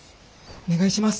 お願いします！